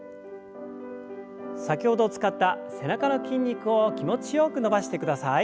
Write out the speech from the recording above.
先ほど使った背中の筋肉を気持ちよく伸ばしてください。